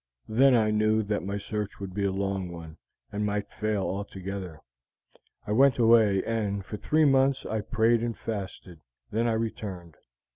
Then I knew that my search would be a long one, and might fail altogether. I went away, and for three months I prayed and fasted; then I returned.